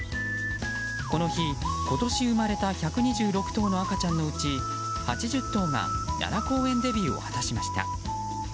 この日、今年生まれた１２６頭の赤ちゃんのうち８０頭が奈良公園デビューを果たしました。